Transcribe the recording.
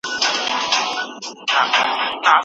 انتقادي فکر څنګه د زده کوونکو باور پیاوړی کوي؟